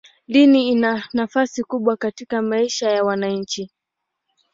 Dini ina nafasi kubwa katika maisha ya wananchi.